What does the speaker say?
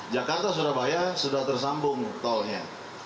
jakarta surabaya sudah tersambung tolnya